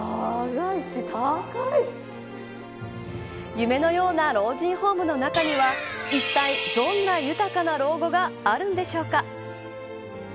夢のような老人ホームの中にはいったい、どんな豊かな老後があるんでしょうか。